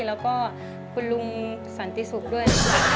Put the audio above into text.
แล้วก็คุณลุงสันติสุขด้วย